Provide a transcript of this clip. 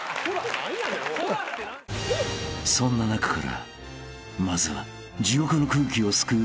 ［そんな中からまずは］